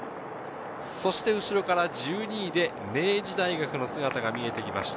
その後ろから１２位で明治大学の姿が見えてきました。